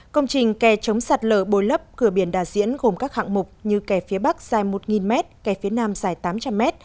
công trình kè chống sạt lở bồi lấp cửa biển đà diễn gồm các hạng mục như kè phía bắc dài một m kè phía nam dài tám trăm linh m